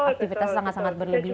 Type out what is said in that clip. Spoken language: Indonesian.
aktivitas sangat sangat berlebihan